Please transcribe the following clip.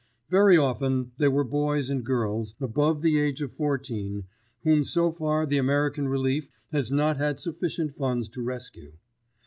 Very often they were boys and girls, above the age of fourteen whom so far the American Relief has not had sufficient funds to rescue.